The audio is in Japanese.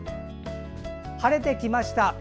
晴れてきました。